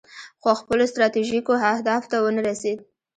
خو خپلو ستراتیژیکو اهدافو ته ونه رسید.